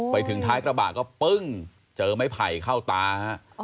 ไปถึงท้ายกระบะก็ปึ้งเจอไม้ไผ่เข้าตาฮะ